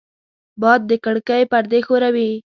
باد د کړکۍ پردې ښوروي